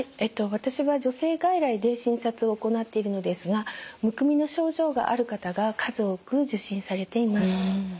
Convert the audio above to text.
私は女性外来で診察を行っているのですがむくみの症状がある方が数多く受診されています。